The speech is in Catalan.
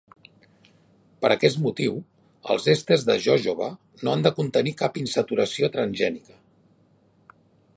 Per aquest motiu, els èsters de jojoba no han de contenir cap insaturació transgènica.